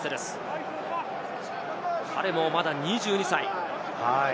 彼もまだ２２歳。